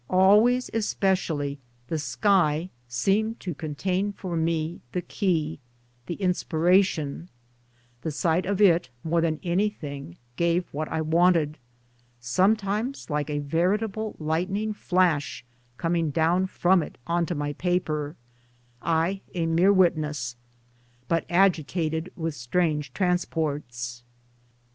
Always especially the sky seemed to contain for me the key, the inspiration ; the sight of it more than anything gave what I wanted (sometimes like a veritable lightning flash coming down from it onto my paper — I a mere witness, but agitated with strange transports).